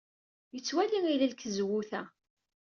Yettwali ilel seg tzewwut-a.